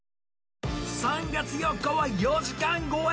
３月４日は４時間超え